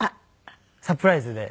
サプライズで。